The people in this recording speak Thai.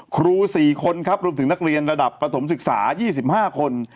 ครู๔คนครับรวมถึงนักเรียนระดับประถมศึกษา๒๕คน